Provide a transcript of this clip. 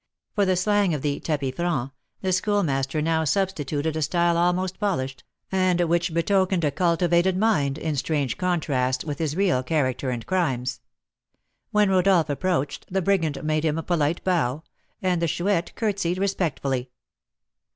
For the slang of the tapis franc the Schoolmaster now substituted a style almost polished, and which betokened a cultivated mind, in strange contrast with his real character and crimes. When Rodolph approached, the brigand made him a polite bow, and the Chouette curtseyed respectfully.